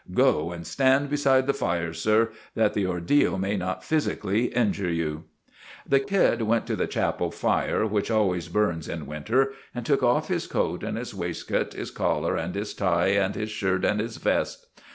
Go and stand beside the fire, sir, that the ordeal may not physically injure you." The kid went to the chapel fire, which always burns in winter, and took off his coat and his waistcoat, his collar and his tie, and his shirt and his vest.